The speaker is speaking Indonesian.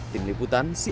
tim liputan cnn indonesia